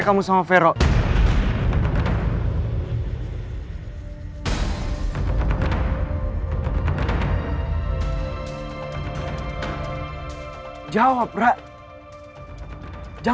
kak sujou mau di ninggal ninggal